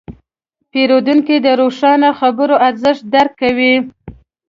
پیرودونکی د روښانه خبرو ارزښت درک کوي.